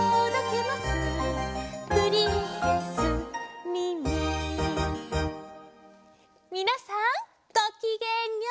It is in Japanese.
「プリンセスミミィ」みなさんごきげんよう！